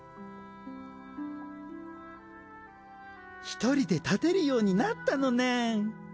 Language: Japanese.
一人で立てるようになったのねん。